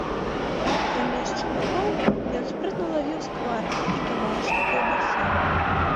Замест шчупакоў ён спрытна лавіў скваркі і кавалачкі каўбасы.